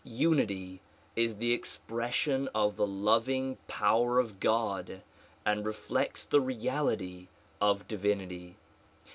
Unity is the expression of the loving power of God and reflects the reality of divinity.